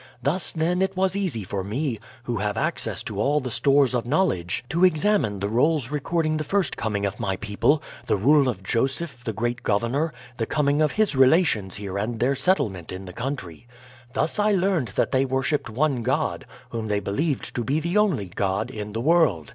Thus, then, it was easy for me, who have access to all the stores of knowledge, to examine the rolls recording the first coming of my people, the rule of Joseph, the great governor, the coming of his relations here and their settlement in the country. Thus I learned that they worshiped one God, whom they believed to be the only God, in the world.